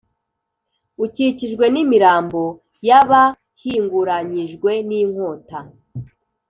ukikijwe n’imirambo y’abahinguranyijwe n’inkota,